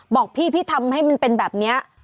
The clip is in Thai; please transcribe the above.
บอกพี่พี่ทำให้มันเป็นแบบนี้